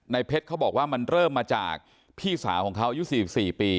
เพชรเขาบอกว่ามันเริ่มมาจากพี่สาวของเขาอายุ๔๔ปี